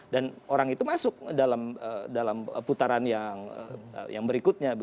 dan orang itu masuk dalam putaran yang berikutnya